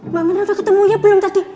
mbak minah udah ketemu ya belum tadi